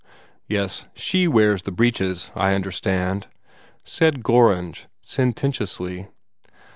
"Yes; she wears the breeches, I understand," said Gorringe sententiously.